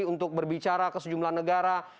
untuk berbicara ke sejumlah negara